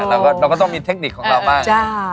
เราก็ต้องมีเทคนิคของเราบ้าง